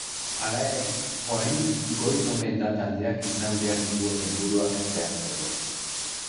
Hala ere, oraindik goiz omen da taldeak izan behar dituen helburuak zehazteko.